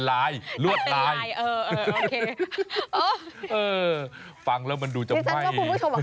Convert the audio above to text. รายรวดรายเออเออฟังแล้วมันดูจะไหม